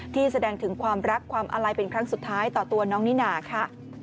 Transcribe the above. แสดงถึงความรักความอาลัยเป็นครั้งสุดท้ายต่อตัวน้องนิน่าค่ะ